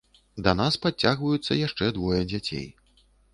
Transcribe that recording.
Да нас падцягваюцца яшчэ двое дзяцей.